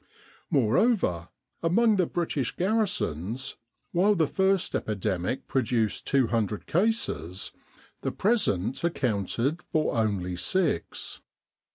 Moreover, among the British garrisons, while the first epide.mic produced 200 cases, the present accounted for only six.